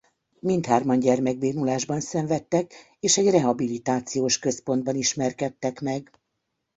Mindhárman gyermekbénulásban szenvedtek és egy rehabilitációs központban ismerkedtek meg.